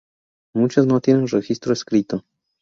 Muchas no tienen registro escrito.